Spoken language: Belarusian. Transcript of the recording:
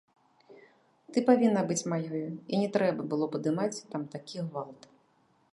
Ты павінна быць маёю, і не трэба было падымаць там такі гвалт.